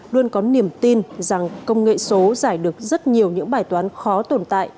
luôn có niềm tin rằng công nghệ số giải được rất nhiều những bài toán khó tồn tại